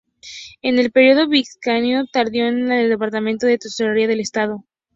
En el período bizantino tardío, era el departamento de tesorería del Estado.